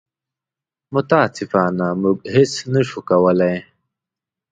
متاسفانه موږ هېڅ نه شو کولی.